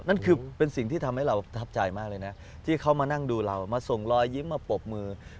นั่นคือเป็นสิ่งที่ทำให้เราประทับใจมากเลยนะที่เขามานั่งดูเรามาส่งรอยยิ้มมาปรบมือ